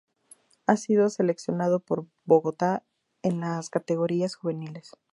Ha sido seleccionado por Bogotá en las categorías juveniles.